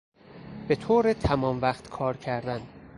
به طور تمام وقت کار کردن